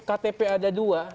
ktp ada dua